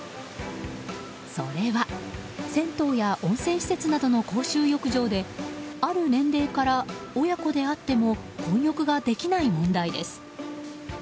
それは、銭湯や温泉施設などの公衆浴場である年齢から、親子であっても混浴ができない問題です。